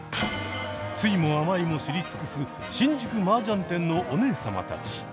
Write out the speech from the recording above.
酸いも甘いも知り尽くす新宿マージャン店のお姉様たち。